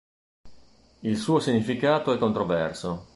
Il suo significato è controverso.